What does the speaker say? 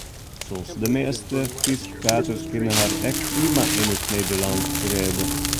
Fansels, de measte Fryskpraters kinne har ek prima yn it Nederlânsk rêde.